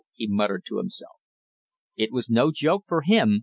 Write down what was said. he muttered to himself. "It was no joke for him!"